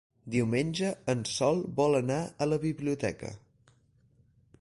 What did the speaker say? Diumenge en Sol vol anar a la biblioteca.